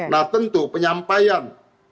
nah tentu penyampaian